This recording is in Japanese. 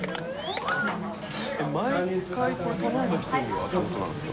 毎回これ頼んだ人にはっていうことなんですか？